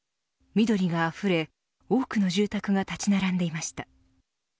緑があふれ多くの住宅が建ち並んでいました。